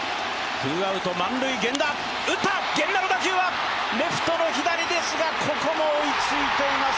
打った、源田の打球はレフトの左ですがここも追いついています